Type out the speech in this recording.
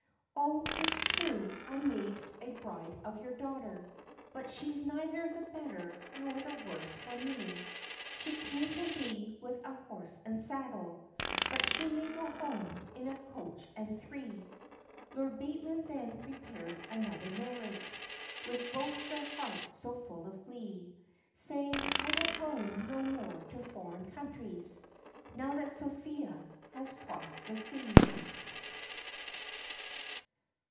"O it's true I made a bride of your daughter, But she's neither the better nor the worse for me; She came to me with a horse and saddle, But she may go home in a coach and three." Lord Bateman then prepared another marriage, With both their hearts so full of glee, Saying, "I will roam no more to foreign countries, Now that Sophia has crossed the sea."